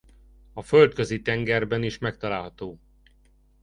A Földközi-tengerben is megtalálható.